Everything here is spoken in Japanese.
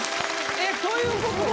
えっということは。